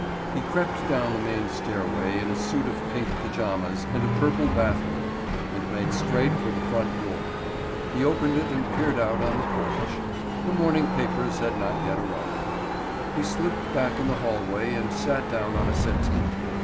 He crept down the main stairway in a suit of pink pajamas and a purple bathrobe and made straight for the front door. He opened it and peered out on the porch. The morning papers had not yet arrived. He slipped back in the hallway and sat down on a settee.